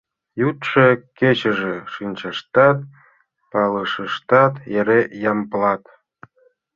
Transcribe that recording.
Йӱдшӧ-кечыже шинчаштат, пылышыштат — эре Ямблат...